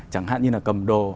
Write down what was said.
chẳng hạn như là cầm đồ